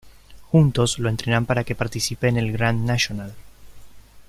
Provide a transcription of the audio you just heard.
Juntos lo entrenan para que participe en el Grand National.